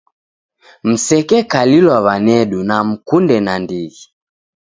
Msekekalilw'a w'anedu nimkunde nandighi.